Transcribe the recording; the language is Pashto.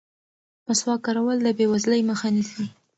مسواک کارول د بې وزلۍ مخه نیسي.